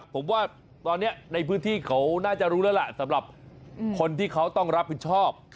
ผมว่าตอนนี้ในพื้นที่เขาน่าจะรู้แล้วล่ะสำหรับคนที่เขาต้องรับผิดชอบ